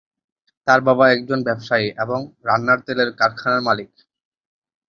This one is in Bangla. তার বাবা একজন ব্যবসায়ী এবং রান্নার তেলের কারখানার মালিক।